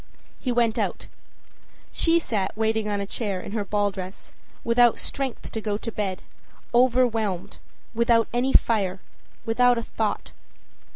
â He went out. She sat waiting on a chair in her ball dress, without strength to go to bed, overwhelmed, without any fire, without a thought.